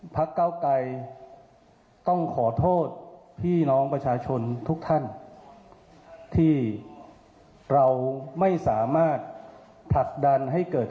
เก้าไกรต้องขอโทษพี่น้องประชาชนทุกท่านที่เราไม่สามารถผลักดันให้เกิด